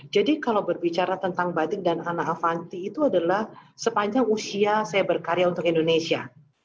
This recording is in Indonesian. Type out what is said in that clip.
jadi kalau berbicara tentang batik dan anak afansi itu adalah sepanjang usia saya berkarya untuk indonesia